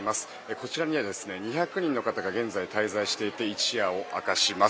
こちらには２００人の方が現在、滞在していて一夜を明かします。